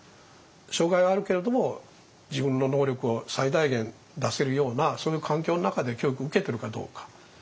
障害はあるけれども自分の能力を最大限出せるようなそういう環境の中で教育を受けてるかどうか。